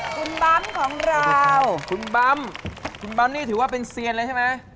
คุณบำของเราคุณบำคุณบำนี่ถือว่าเป็นเซียนเลยใช่มั้ย